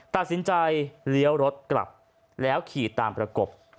ตัดสินใจเลี้ยวรถกลับแล้วขี่ตามประกบ